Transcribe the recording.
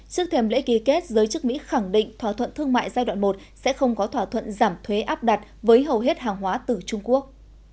trước thêm lễ ký kết giới chức mỹ khẳng định thỏa thuận thương mại giai đoạn một sẽ không có thỏa thuận giảm thuế áp đặt với hầu hết hàng hóa từ trung quốc